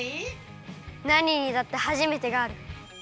なににだってはじめてがある！